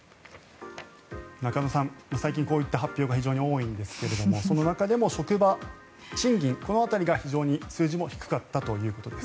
中野さん、最近こういった発表が非常に多いんですがその中でも職場、賃金この辺りが非常に数字も低かったということです。